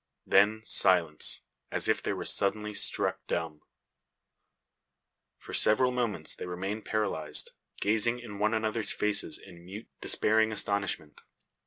Then silence, as if they were suddenly struck dumb. For several moments they remain paralysed, gazing in one another's faces in mute despairing astonishment.